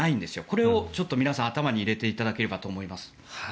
これを皆さん頭に入れていただければと思います。